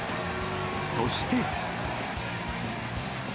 そして。